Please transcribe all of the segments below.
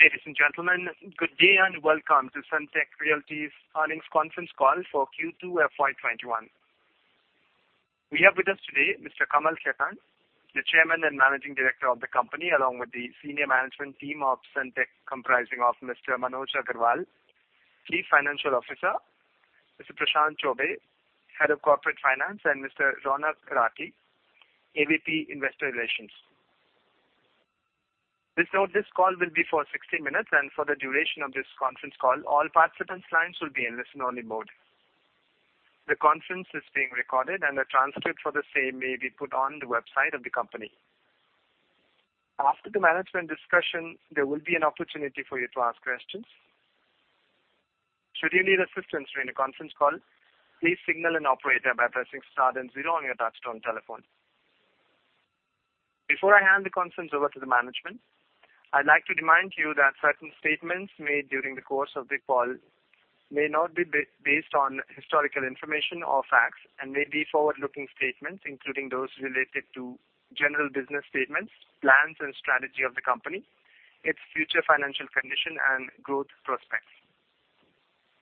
Ladies and gentlemen, good day and welcome to Sunteck Realty's earnings conference call for Q2 FY 2021. We have with us today Mr. Kamal Khetan, the Chairman and Managing Director of the company, along with the senior management team of Sunteck, comprising of Mr. Manoj Agarwal, Chief Financial Officer, Mr. Prashant Chaubey, Head of Corporate Finance, and Mr. Raunak Rathi, AVP, Investor Relations. Please note this call will be for 60 minutes. For the duration of this conference call, all participant lines will be in listen-only mode. The conference is being recorded. The transcript for the same may be put on the website of the company. After the management discussion, there will be an opportunity for you to ask questions. Should you need assistance during the conference call, please signal an operator by pressing star and zero on your touch-tone telephone. Before I hand the conference over to the management, I'd like to remind you that certain statements made during the course of the call may not be based on historical information or facts and may be forward-looking statements, including those related to general business statements, plans and strategy of the company, its future financial condition, and growth prospects.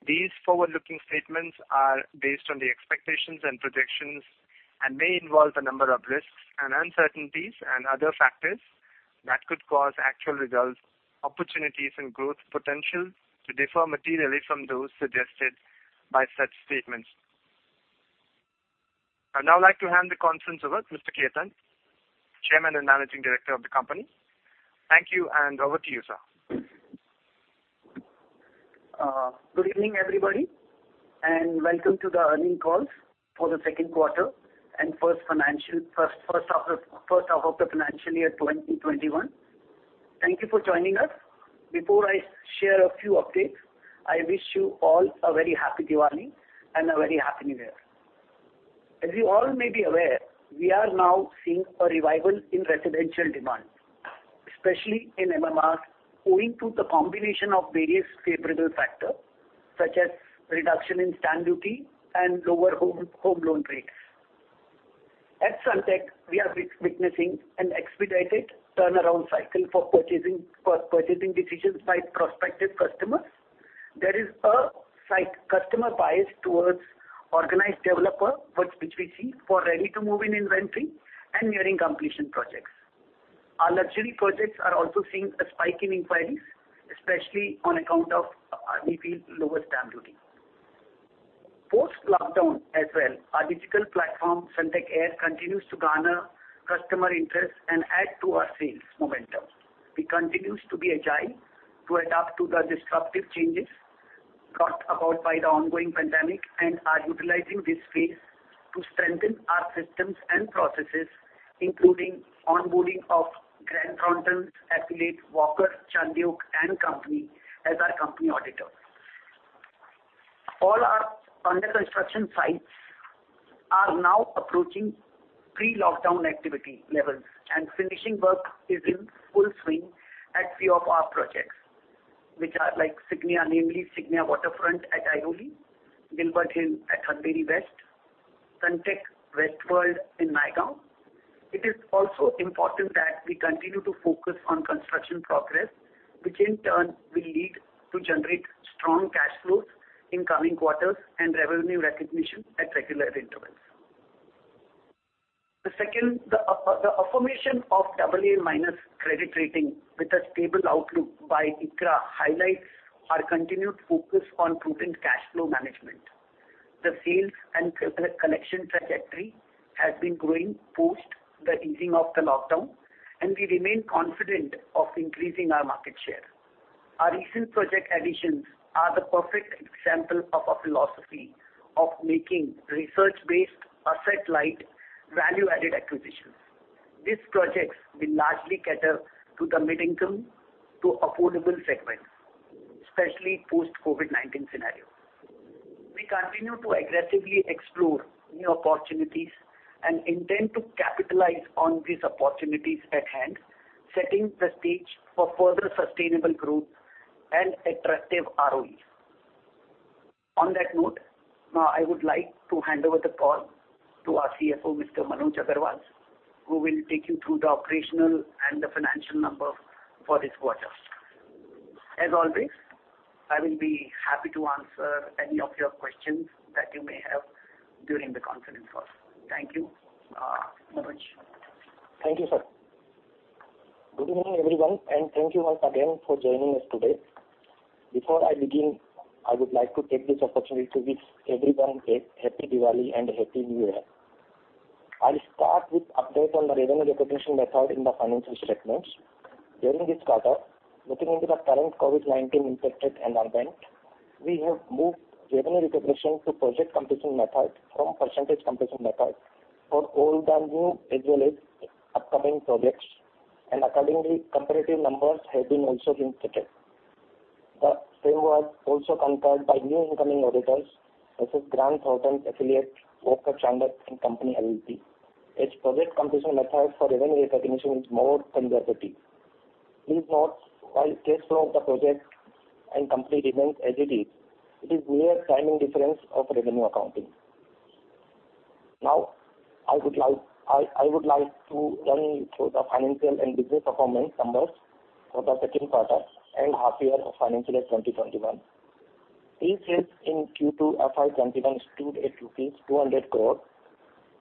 These forward-looking statements are based on the expectations and projections and may involve a number of risks and uncertainties and other factors that could cause actual results, opportunities, and growth potential to differ materially from those suggested by such statements. I'd now like to hand the conference over to Mr. Khetan, Chairman and Managing Director of the company. Thank you, over to you, sir. Good evening, everybody, welcome to the earnings call for the second quarter and first half of the financial year 2021. Thank you for joining us. Before I share a few updates, I wish you all a very happy Diwali and a very happy New Year. As you all may be aware, we are now seeing a revival in residential demand, especially in MMR, owing to the combination of various favorable factors such as reduction in stamp duty and lower home loan rates. At Sunteck, we are witnessing an expedited turnaround cycle for purchasing decisions by prospective customers. There is a customer bias towards organized developers, which we see for ready-to-move-in inventory and nearing completion projects. Our luxury projects are also seeing a spike in inquiries, especially on account of, we feel, lower stamp duty. Post-lockdown as well, our digital platform, Sunteck Air, continues to garner customer interest and add to our sales momentum. We continue to be agile to adapt to the disruptive changes brought about by the ongoing pandemic and are utilizing this phase to strengthen our systems and processes, including onboarding of Grant Thornton's affiliate Walker Chandiok & Co. as our company auditor. All our under-construction sites are now approaching pre-lockdown activity levels, and finishing work is in full swing at few of our projects, which are like Signia, namely Signia Waterfront at Airoli, Gilbert Hill at Andheri West, Sunteck WestWorld in Naigaon. It is also important that we continue to focus on construction progress, which in turn will lead to generate strong cash flows in coming quarters and revenue recognition at regular intervals. The affirmation of AA- credit rating with a stable outlook by ICRA highlights our continued focus on prudent cash flow management. The sales and collection trajectory has been growing post the easing of the lockdown, and we remain confident of increasing our market share. Our recent project additions are the perfect example of a philosophy of making research-based, asset-light, value-added acquisitions. These projects will largely cater to the mid-income to affordable segment, especially post-COVID-19 scenario. We continue to aggressively explore new opportunities and intend to capitalize on these opportunities at hand, setting the stage for further sustainable growth and attractive ROE. On that note, now I would like to hand over the call to our CFO, Mr. Manoj Agarwal, who will take you through the operational and the financial numbers for this quarter. As always, I will be happy to answer any of your questions that you may have during the conference call. Thank you. Manoj. Thank you, sir. Good evening, everyone, and thank you once again for joining us today. Before I begin, I would like to take this opportunity to wish everyone a happy Diwali and a happy New Year. I'll start with update on the revenue recognition method in the financial statements. During this quarter, looking into the current COVID-19 infected environment, we have moved revenue recognition to project completion method from percentage completion method for old and new, as well as upcoming projects. Accordingly, comparative numbers have also been stated. The same was also confirmed by new incoming auditors such as Grant Thornton affiliate Walker Chandiok & Co LLP. Its project completion method for revenue recognition is more conservative. Please note, while cash flow of the project and company remains as it is, it is mere timing difference of revenue accounting. Now I would like to run you through the financial and business performance numbers for the second quarter and half year of financial year 2021. Pre-sales in Q2 FY 2021 stood at rupees 200 crores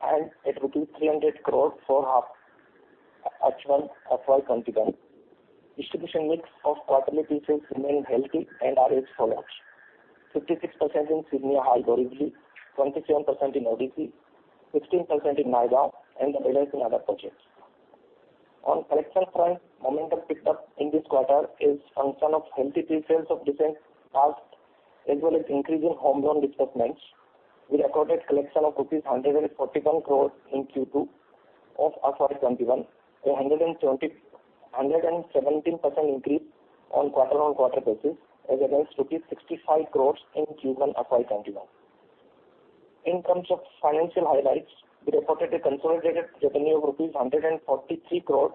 and at rupees 300 crores for H1 FY 2021. Distribution mix of quarterly pre-sales remain healthy and are as follows: 56% in Sunteck City, Borivali, 27% in ODC, 16% in Naigaon, and the rest in other projects. On collections front, momentum picked up in this quarter is a function of healthy pre-sales of recent past, as well as increase in home loan disbursements. We recorded collection of rupees 141 crores in Q2 of FY 2021, a 117% increase on quarter-on-quarter basis as against rupees 65 crores in Q1 FY 2021. In terms of financial highlights, we reported a consolidated revenue of rupees 143 crores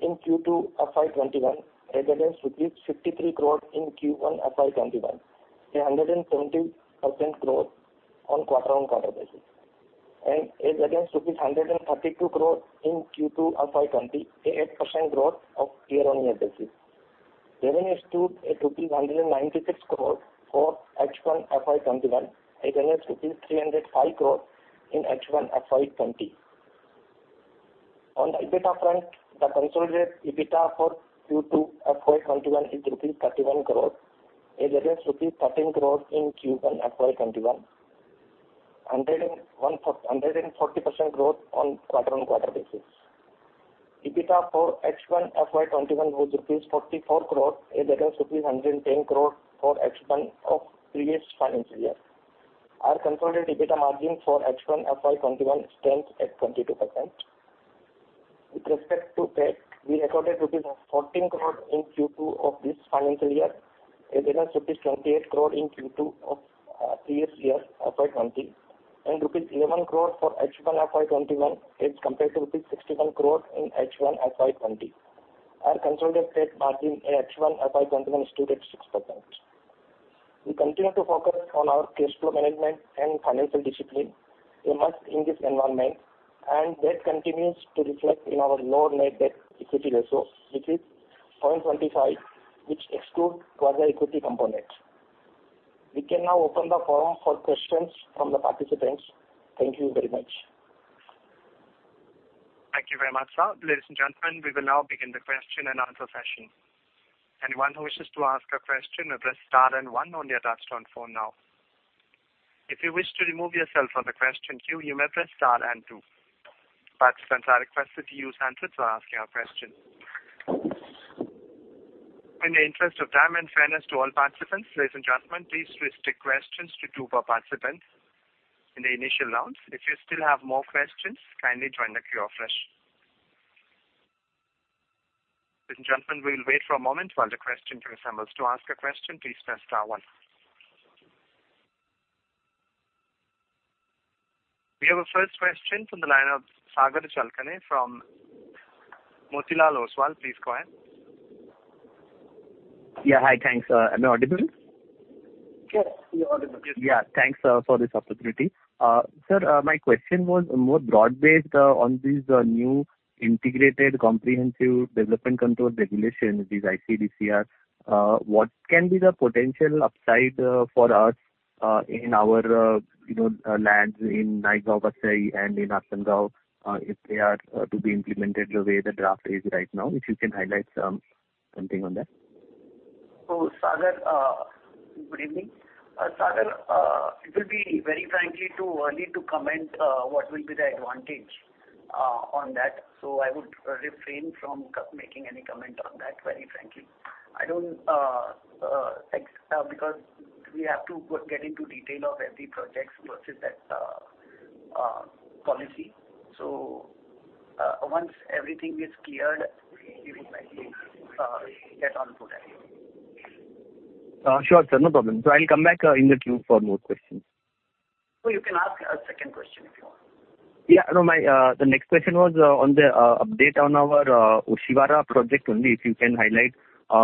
in Q2 FY 2021 as against INR 53 crores in Q1 FY 2021, a 120% growth on quarter-on-quarter basis, and as against 132 crores in Q2 FY 2020, an 8% growth of year-on-year basis. Revenue stood at INR 196 crores for H1 FY 2021 against INR 305 crores in H1 FY 2020. On the EBITDA front, the consolidated EBITDA for Q2 FY 2021 is rupees 31 crores against rupees 13 crores in Q1 FY 2021, 140% growth on quarter-on-quarter basis. EBITDA for H1 FY 2021 was INR 44 crores against INR 110 crores for H1 of previous financial year. Our consolidated EBITDA margin for H1 FY 2021 stands at 22%. With respect to PAT, we recorded rupees 14 crore in Q2 of this financial year against rupees 28 crore in Q2 of previous year, FY 2020, and rupees 11 crore for H1 FY 2021 as compared to rupees 61 crore in H1 FY 2020. Our consolidated PAT margin in H1 FY 2021 stood at 6%. We continue to focus on our cash flow management and financial discipline, a must in this environment, and that continues to reflect in our low net debt/equity ratio, which is 0.25, which excludes further equity component. We can now open the forum for questions from the participants. Thank you very much. Thank you very much, sir. Ladies and gentlemen, we will now begin the question and answer session. Anyone who wishes to ask a question, address star and one on your touchtone phone now. If you wish to remove yourself from the question queue, you may press star and two. Participants are requested to use handsets while asking a question. In the interest of time and fairness to all participants, ladies and gentlemen, please restrict questions to two per participant in the initial rounds. If you still have more questions, kindly join the queue afresh. Ladies and gentlemen, we'll wait for a moment while the question queue assembles. To ask a question, please press star one. We have our first question from the line of Sagar Chalkane from Motilal Oswal. Please go ahead. Hi, thanks. Am I audible? Yes, you're audible. Yeah. Thanks for this opportunity. Sir, my question was more broad-based on this new integrated comprehensive development control regulation, this UDCPR. What can be the potential upside for us in our lands in Naigaon, Vasai, and in Asangaon if they are to be implemented the way the draft is right now? If you can highlight something on that. Sagar, good evening. Sagar, it will be very frankly too early to comment what the advantage will be. I would refrain from making any comment on that, very frankly. Because we have to get into detail of every project versus that policy. Once everything is cleared, we will likely get on to that. Sure, sir, no problem. I'll come back in the queue for more questions. Oh, you can ask a second question if you want. The next question was on the update on our Oshiwara project only. If you can highlight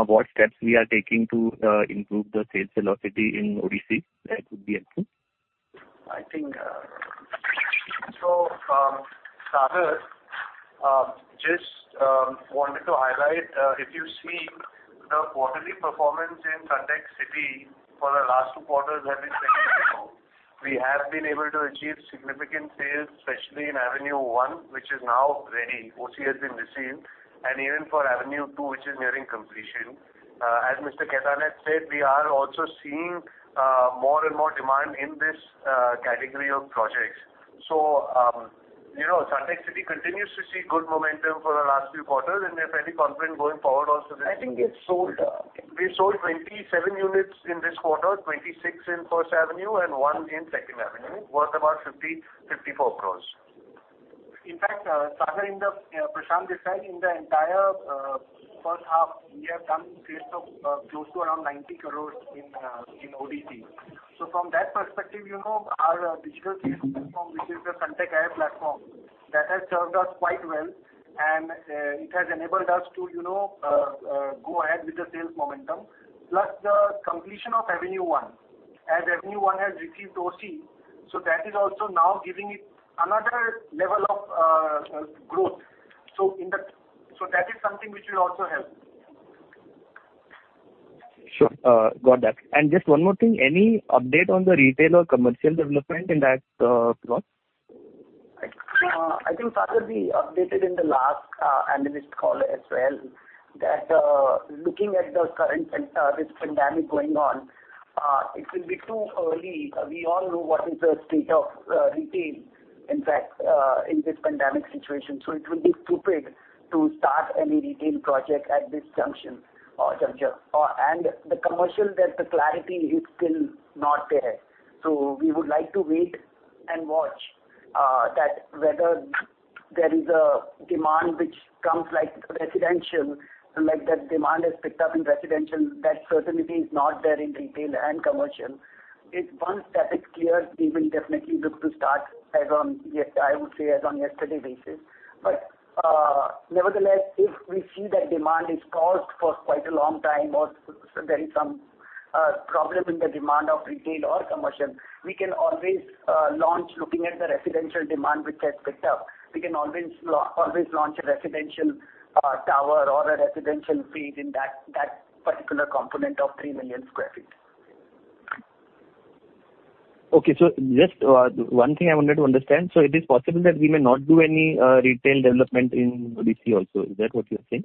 what steps we are taking to improve the sales velocity in ODC, that would be helpful. Sagar, just wanted to highlight, if you see the quarterly performance in Sunteck City for the last two quarters that we've sent it out, we have been able to achieve significant sales, especially in Avenue One, which is now ready. OC has been received. Even for Avenue Two, which is nearing completion. As Mr. Khetan said, we are also seeing more and more demand in this category of projects. Sunteck City continues to see good momentum for the last few quarters, and we're fairly confident going forward also. I think we've sold we sold 27 units in this quarter, 26 in First Avenue, and one in Second Avenue, worth about 54 crores. In fact, Sagar, Prashant just said in the entire first half, we have done sales of close to around 90 crores in ODC. From that perspective, our digital sales platform, which is the Sunteck Air platform, that has served us quite well. It has enabled us to go ahead with the sales momentum, plus the completion of Avenue One. As Avenue One has received OC, so that is also now giving it another level of growth. That is something which will also help. Sure. Got that. Just one more thing, any update on the retail or commercial development in that plot? I think, Sagar, we updated in the last analyst call as well, that looking at the current pandemic going on, it will be too early. We all know what is the state of retail, in fact, in this pandemic situation. It will be stupid to start any retail project at this juncture. The commercial, the clarity is still not there. We would like to wait and watch whether there is a demand which comes like the residential, like that demand has picked up in residential, that certainty is not there in retail and commercial. Once that is clear, we will definitely look to start, I would say, as on yesterday basis. Nevertheless, if we see that demand is paused for quite a long time, or there is some problem in the demand of retail or commercial, we can always launch looking at the residential demand, which has picked up. We can always launch a residential tower or a residential phase in that particular component of three million sq ft. Okay. Just one thing I wanted to understand. It is possible that we may not do any retail development in ODC also, is that what you're saying?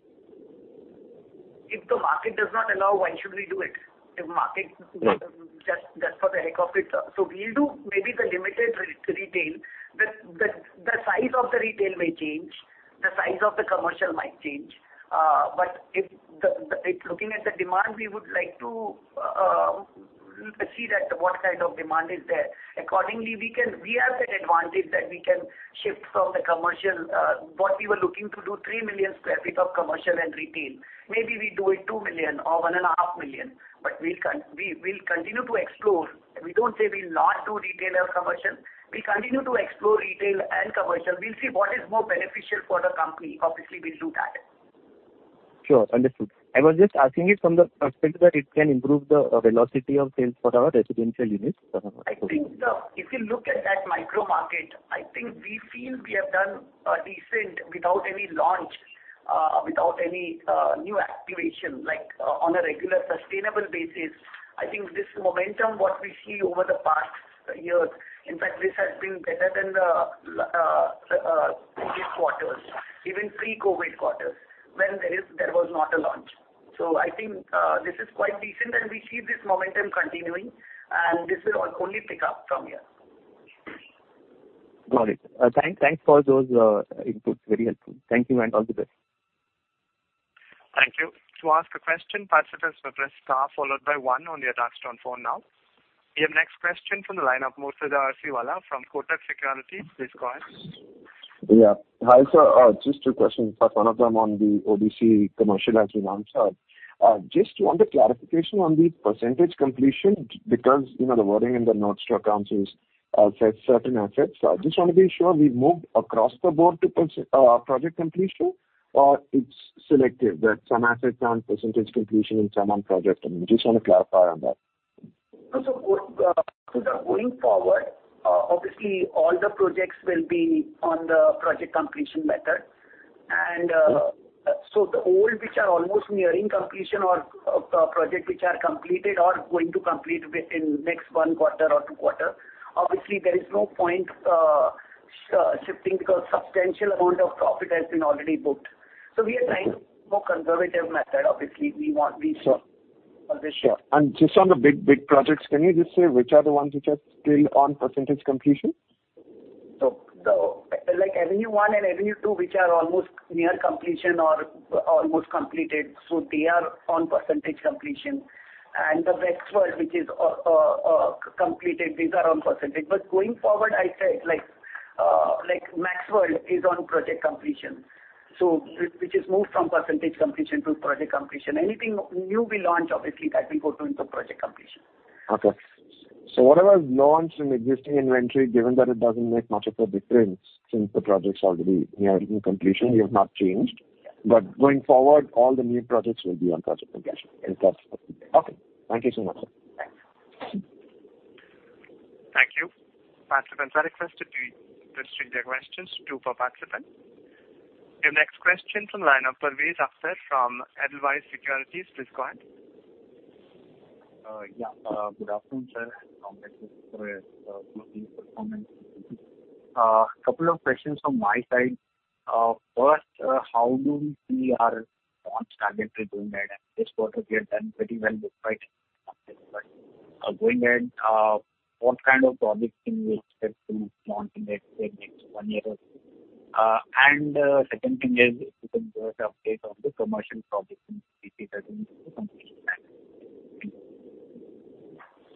If the market does not allow, why should we do it? Right. Just for the heck of it. We'll do maybe the limited retail. The size of the retail may change, the size of the commercial might change. Looking at the demand, we would like to see that what kind of demand is there. Accordingly, we have that advantage that we can shift from the commercial. What we were looking to do, 3 million sq ft of commercial and retail. Maybe we do it 2 million or 1.5 million. We'll continue to explore. We don't say we'll not do retail or commercial. We'll continue to explore retail and commercial. We'll see what is more beneficial for the company. Obviously, we'll do that. Sure. Understood. I was just asking it from the perspective that it can improve the velocity of sales for our residential units. I think if you look at that micro market, I think we feel we have done decent without any launch, without any new activation, on a regular sustainable basis. I think this momentum, what we see over the past years, in fact, this has been better than the previous quarters, even pre-COVID quarters, when there was not a launch. I think this is quite decent, and we see this momentum continuing, and this will only pick up from here. Got it. Thanks for those inputs. Very helpful. Thank you, and all the best. Thank you. Your next question from the line of Murtuza Arsiwalla from Kotak Securities. Please go ahead. Yeah. Hi, sir. Just two questions, sir. One of them on the ODC commercial has been answered. Just want a clarification on the percentage completion because the wording in the notes to accounts says certain assets. I just want to be sure, we've moved across the board to project completion, or it's selective, that some assets are on percentage completion and some on project completion? I just want to clarify on that. Going forward, obviously all the projects will be on the project completion method. Okay. The old, which are almost nearing completion, or project which are completed or going to complete within next one quarter or two quarter, obviously there is no point shifting because substantial amount of profit has been already booked. We are trying more conservative method. Obviously, we want. Sure. Sure. Just on the big projects, can you just say which are the ones which are still on percentage completion? Like Avenue One and Avenue Two, which are almost near completion or almost completed. They are on percentage completion. The MaxXWorld, which is completed, these are on percentage. Going forward, I said, like MaxXWorld is on project completion. Which is moved from percentage completion to project completion. Anything new we launch, obviously that will go into project completion. Okay. Whatever is launched in existing inventory, given that it doesn't make much of a difference since the project's already nearing completion, you have not changed. Going forward, all the new projects will be on project completion. Yes, sir. Okay. Thank you so much, sir. Thanks. Thank you. Participants are requested to restrict their questions two per participant. Your next question from line of Parvez Afsar from Edelweiss Securities. Please go ahead. Good afternoon, sir. Congratulations for the performance. Couple of questions from my side. First, how do you see your launch trajectory going ahead? This quarter we have done pretty well despite. Going ahead, what kind of projects can we expect to launch in the next one year or so? Second thing is, if you can give us an update on the commercial project in BKC that is in the completion phase.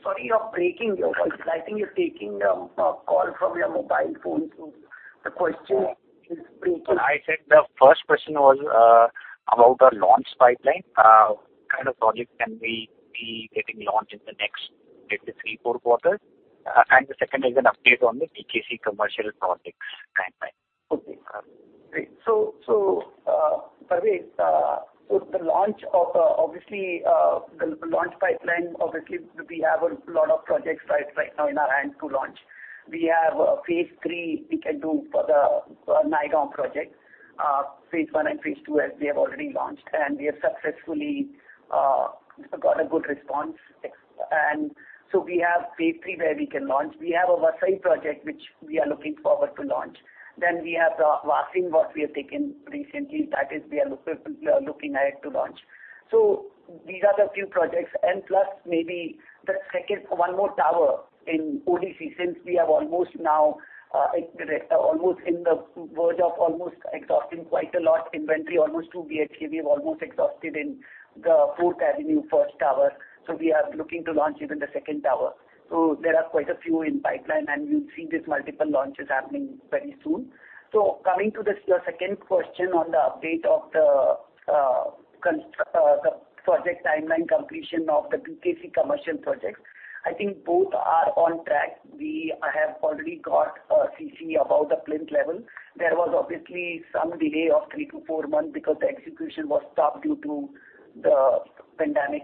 Sorry, you're breaking. Your voice. I think you're taking a call from your mobile phone, so the question is breaking. I said the first question was about the launch pipeline. What kind of project can we be getting launched in the next. Take the three, four quarters. The second is an update on the BKC commercial projects timeline. Okay, great. Parvez, with the launch pipeline, obviously, we have a lot of projects right now in our hand to launch. We have phase 3 we can do for the Naigaon project. Phase 1 and phase 2, we have already launched, and we have successfully got a good response. We have phase 3 where we can launch. We have our Vasai project, which we are looking forward to launch. We have the Vasind, what we have taken recently. That is, we are looking at to launch. These are the few projects. Maybe the second, one more tower in ODC, since we are almost in the verge of almost exhausting quite a lot inventory, almost 2 BHK. We have almost exhausted in the Fourth Avenue first tower. We are looking to launch even the second tower. There are quite a few in pipeline, and you'll see these multiple launches happening very soon. Coming to your second question on the update of the project timeline completion of the BKC commercial projects. I think both are on track. We have already got a CC above the plinth level. There was obviously some delay of three to four months because the execution was stopped due to the pandemic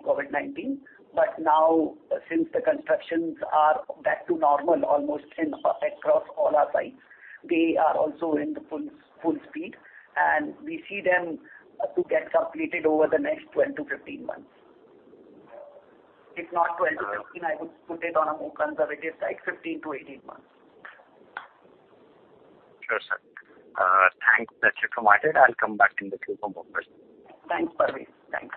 COVID-19. Now since the constructions are back to normal almost across all our sites, they are also in the full speed, and we see them to get completed over the next 12 to 15 months. If not 12 to 15, I would put it on a more conservative side, 15 to 18 months. Sure, sir. Thanks, Achyut, for my turn. I'll come back in the queue for more questions. Thanks, Parvez. Thanks.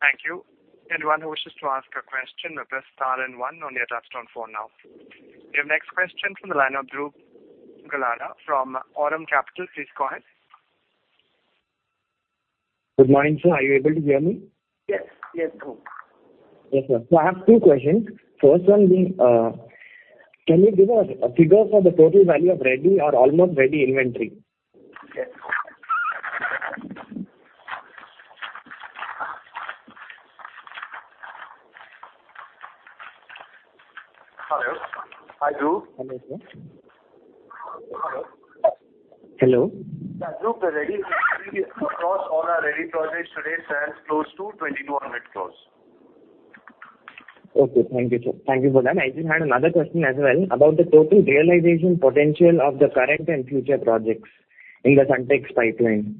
Thank you and one who wishes to answer a question you may press star one on your touchstone phone now. Your next question from the line of Dhruv Galada from Aurum Capital. Please go ahead. Good morning, sir. Are you able to hear me? Yes. Yes, Dhruv. Yes, sir. I have two questions. First one being, can you give a figure for the total value of ready or almost ready inventory? Yes. Hello. Hi, Dhruv. Hello, sir. Hello? Hello. Dhruv, the ready inventory across all our ready projects today stands close to 2,200 crores. Okay. Thank you, sir. Thank you for that. I just had another question as well about the total realization potential of the current and future projects in the Sunteck's pipeline.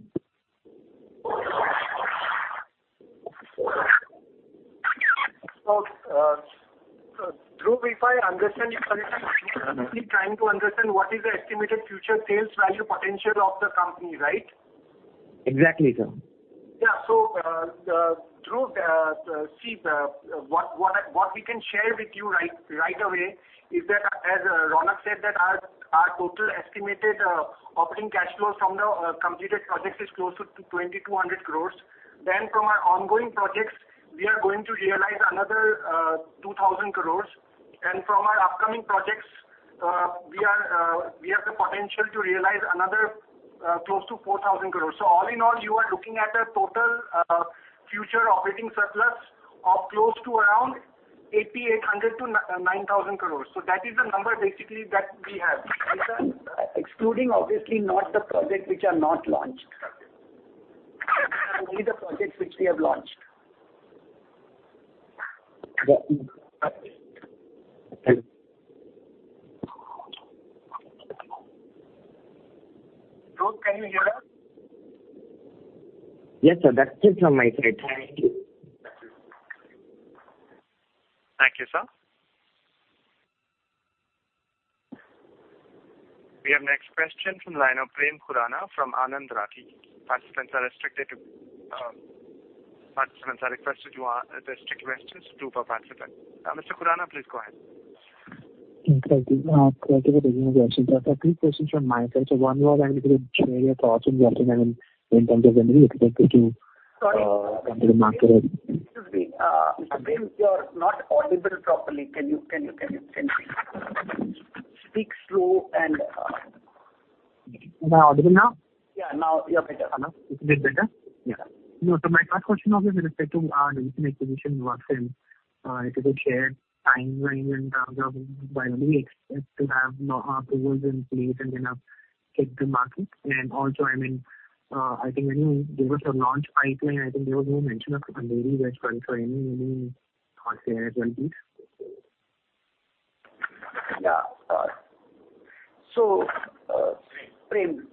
Dhruv, if I understand your question correctly, you're simply trying to understand what is the estimated future sales value potential of the company, right? Exactly, sir. Dhruv, what we can share with you right away is that, as Ronak said, our total estimated operating cash flow from the completed projects is close to 2,200 crore. From our ongoing projects, we are going to realize another 2,000 crore. From our upcoming projects, we have the potential to realize another close to 4,000 crore. All in all, you are looking at a total future operating surplus of close to around 8,800 crore-9,000 crore. That is the number basically that we have. Right, sir. Excluding obviously not the projects which are not launched. Only the projects which we have launched. Dhruv, can you hear us? Yes, sir. That's it from my side. Thank you. Thank you, sir. We have next question from the line of Prem Khurana from Anand Rathi. Participants are requested to stick questions two per participant. Mr. Khurana, please go ahead. Thank you. Thank you for taking my question, sir. Three questions from my side, sir. One was I wanted to share your thoughts on the upcoming in terms of the revenue you could expect to. Sorry. coming to the market or. Excuse me, Mr. Prem, you're not audible properly. Can you please speak slow and. Am I audible now? Yeah. Now you're better. Is it better? Yeah. My first question was with respect to recent acquisition, Vasind. If you could share timeline and when do we expect to have approvals in place and then take to market. Also, I think when you give us a launch pipeline, I think there was no mention of Bandari, Vadkhal, so any thoughts there as well, please? Yeah. Prem,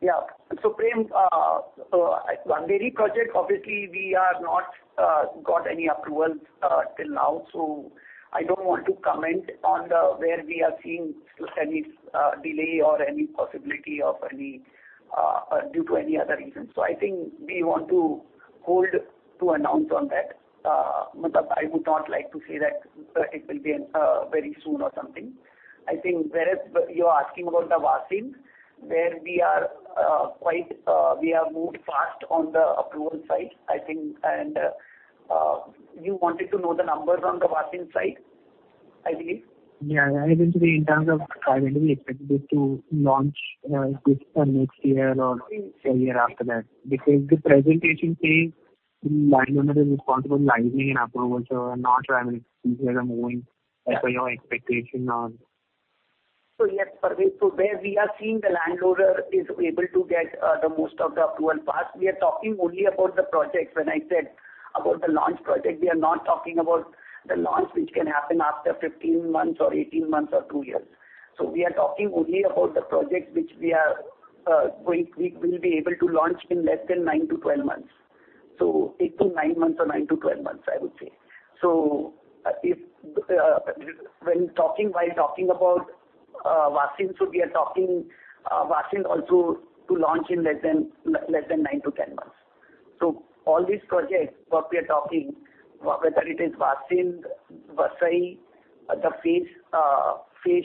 Bandari project, obviously we are not got any approval till now, I don't want to comment on where we are seeing any delay or any possibility due to any other reasons. I think we want to hold to announce on that. I would not like to say that it will be very soon or something. I think whereas you're asking about the Vasind, where we have moved fast on the approval side, I think. You wanted to know the numbers on the Vasind side, I believe? Yeah. I mean, in terms of timing, do we expect this to launch this next year or the year after that? The presentation says the landowner is responsible for licensing and approvals are not driving. These are moving as per your expectation on? Yes, Parvez. Where we are seeing the land owner is able to get the most of the approval parts. We are talking only about the projects. When I said about the launch project, we are not talking about the launch which can happen after 15 months or 18 months or two years. We are talking only about the projects which we will be able to launch in less than nine to 12 months. Eight to nine months or nine to 12 months, I would say. While talking about Vasind, we are talking Vasind also to launch in less than nine to 10 months. All these projects what we are talking, whether it is Vasind, Vasai, the phase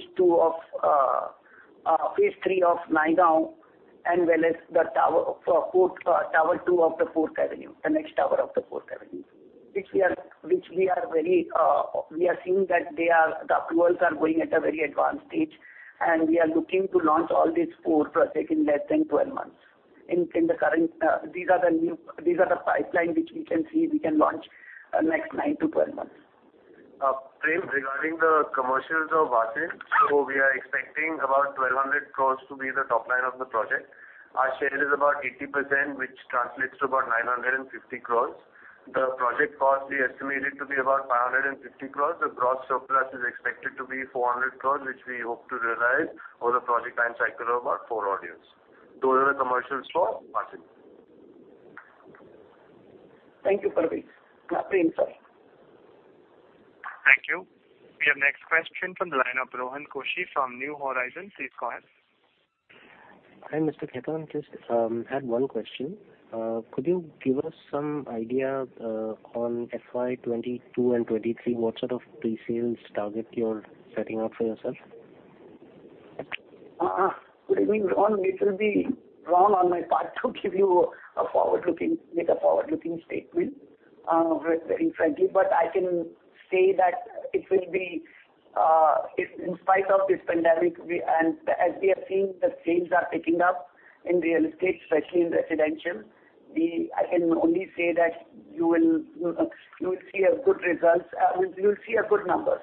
3 of Naigaon, and well as the tower 2 of the Fourth Avenue, the next tower of the Fourth Avenue. Which we are seeing that the approvals are going at a very advanced stage, and we are looking to launch all these four projects in less than 12 months. These are the pipeline which we can see we can launch next 9-12 months. Prem, regarding the commercials of Vasind, we are expecting about 1,200 crore to be the top line of the project. Our share is about 80%, which translates to about 950 crore. The project cost we estimated to be about 550 crore. The gross surplus is expected to be 400 crore, which we hope to realize over the project time cycle of about four odd years. Those are the commercials for Vasind. Thank you, Parvez. Prem, sorry. Thank you. We have next question from the line of Rohan Koshi from New Horizon. Please go ahead. Hi, Mr. Khetan. I just had one question. Could you give us some idea on FY 2022 and 2023, what sort of pre-sales target you're setting up for yourself? Good evening, Rohan. It will be wrong on my part to give you a forward-looking statement, very frankly. I can say that in spite of this pandemic, and as we are seeing the sales are picking up in real estate, especially in residential. I can only say that you'll see a good result. You'll see good numbers.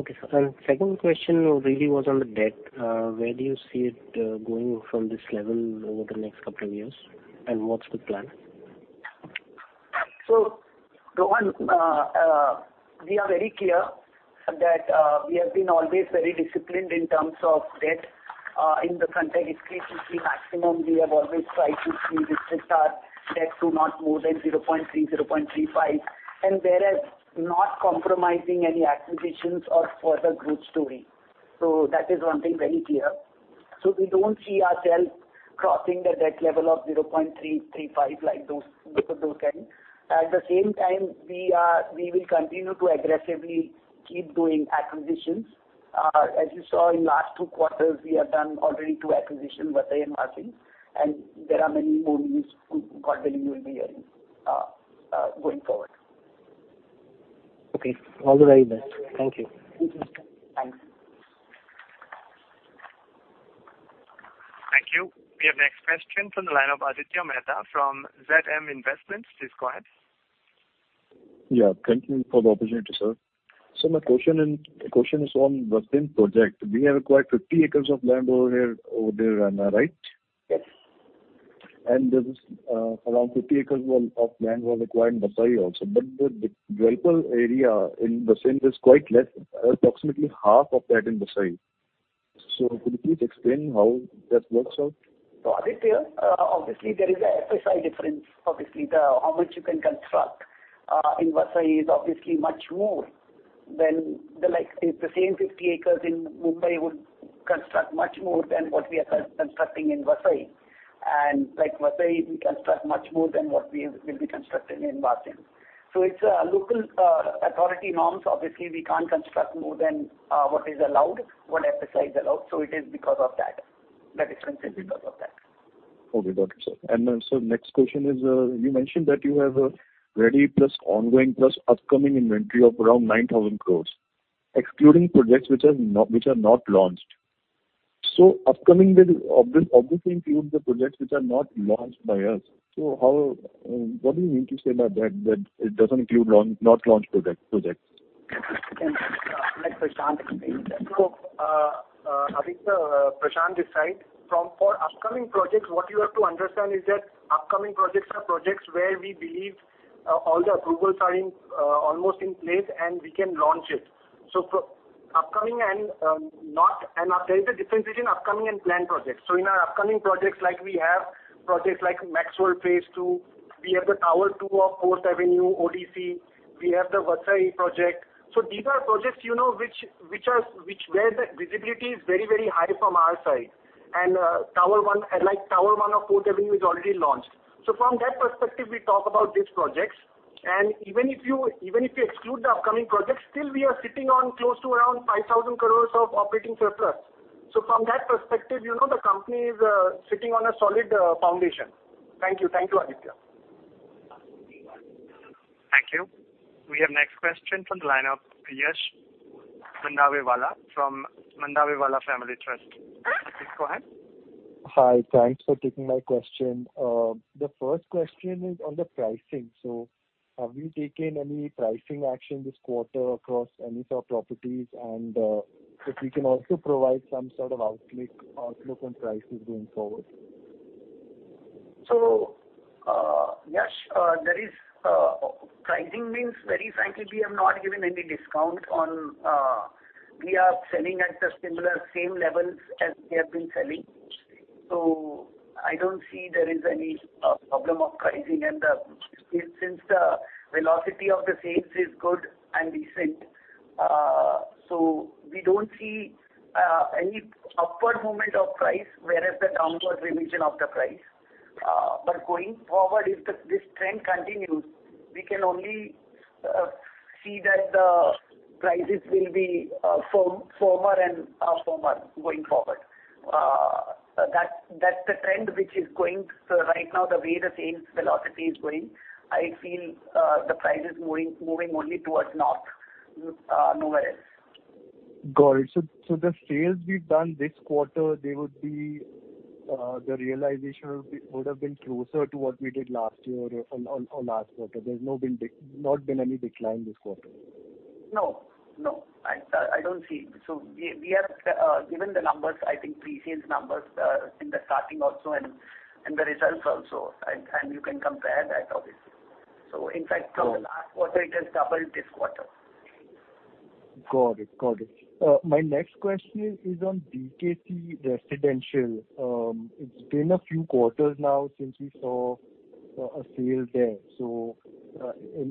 Okay, sir. Second question really was on the debt. Where do you see it going from this level over the next couple of years, and what's the plan? Rohan, we are very clear that we have been always very disciplined in terms of debt. In the context, we have always tried to restrict our debt to not more than 0.3, 0.35, and whereas not compromising any acquisitions or further group story. That is one thing very clear. We don't see ourself crossing the debt level of 0.3, 0.35 like those kind. At the same time, we will continue to aggressively keep doing acquisitions. As you saw in last two quarters, we have done already two acquisitions, Vasai and Vasind, and there are many more news, quarterly you will be hearing going forward. Okay. All the very best. Thank you. Thank you. Thank you. We have next question from the line of Aditya Mehta from ZM Investments. Please go ahead. Yeah, thank you for the opportunity, sir. My question is on Vasind project. We have acquired 50 acres of land over there, am I right? Yes. Around 50 acres of land were acquired in Vasai also. The developable area in Vasind is quite less, approximately half of that in Vasai. Could you please explain how that works out? Aditya, obviously there is a FSI difference. Obviously, how much you can construct in Vasai is obviously much more than the same 50 acres in Mumbai would construct much more than what we are constructing in Vasai. Like Vasai, we construct much more than what we will be constructing in Vasind. It's local authority norms. Obviously, we can't construct more than what is allowed, what FSI is allowed. It is because of that. The difference is because of that. Okay, got it, sir. Sir, next question is, you mentioned that you have a ready plus ongoing plus upcoming inventory of around 9,000 crore, excluding projects which are not launched. Upcoming will obviously include the projects which are not launched by us. What do you mean to say by that it doesn't include not launched projects? I'll let Prashant explain that. Aditya, Prashant this side. For upcoming projects, what you have to understand is that upcoming projects are projects where we believe all the approvals are almost in place, and we can launch it. There is a difference between upcoming and planned projects. In our upcoming projects, like we have projects like Sunteck MaxXWorld Phase 2, we have the Tower 2 of Sunteck City 4th Avenue, ODC, we have the Vasai project. These are projects where the visibility is very high from our side. Like Tower 1 of Sunteck City 4th Avenue is already launched. From that perspective, we talk about these projects, and even if you exclude the upcoming projects, still we are sitting on close to around 5,000 crores of operating surplus. From that perspective, the company is sitting on a solid foundation. Thank you, Aditya. Thank you. We have next question from the line of Yash Mandawewala from Mandawewala Family Trust. Please go ahead. Hi. Thanks for taking my question. The first question is on the pricing. Have you taken any pricing action this quarter across any of your properties, if we can also provide some sort of outlook on prices going forward? Yash, pricing means very frankly, we have not given any discount. We are selling at the similar same levels as we have been selling. I don't see there is any problem of pricing and since the velocity of the sales is good and decent, so we don't see any upward movement of price, whereas the downward revision of the price. Going forward, if this trend continues, we can only see that the prices will be firmer and firmer going forward. That's the trend which is going right now, the way the sales velocity is going, I feel the price is moving only towards north, nowhere else. Got it. The sales we've done this quarter, the realization would have been closer to what we did last year or on last quarter. There's not been any decline this quarter? No. I don't see. We have given the numbers, I think pre-sales numbers, in the starting also and the results also, and you can compare that obviously. In fact, from the last quarter it has doubled this quarter. Got it. My next question is on BKC Residential. It's been a few quarters now since we saw a sale there.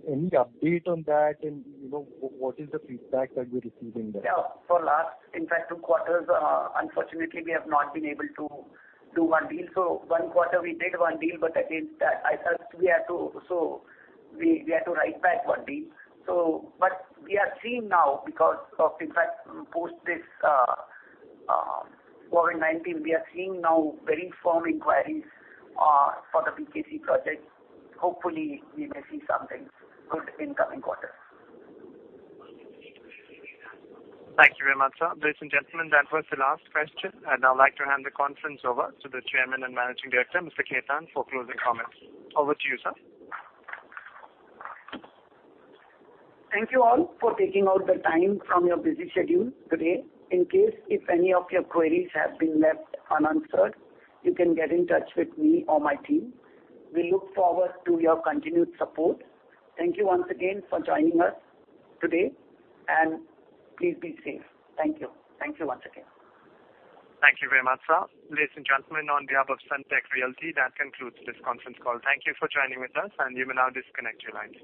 Any update on that and what is the feedback that you're receiving there? Yeah. For last, in fact, two quarters, unfortunately, we have not been able to do one deal. One quarter we did one deal, but that we had to write back one deal. We are seeing now because of, in fact, post this COVID-19, we are seeing now very firm inquiries for the BKC project. Hopefully, we may see something good in coming quarter. Thank you very much, sir. Ladies and gentlemen, that was the last question, and I'd like to hand the conference over to the Chairman and Managing Director, Mr. Khetan, for closing comments. Over to you, sir. Thank you all for taking out the time from your busy schedule today. In case if any of your queries have been left unanswered, you can get in touch with me or my team. We look forward to your continued support. Thank you once again for joining us today, and please be safe. Thank you. Thank you once again. Thank you very much, sir. Ladies and gentlemen, on behalf of Sunteck Realty, that concludes this conference call. Thank you for joining with us, and you may now disconnect your lines.